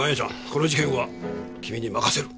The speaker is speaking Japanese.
この事件は君に任せる！